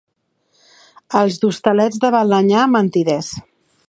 Els d'Hostalets de Balenyà, mentiders.